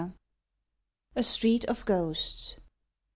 A STREET OF GHOSTS.